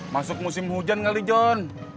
masuk musim hujan kali john